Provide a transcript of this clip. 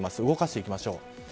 動かしていきましょう。